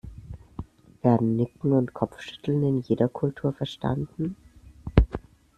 Werden Nicken und Kopfschütteln in jeder Kultur verstanden?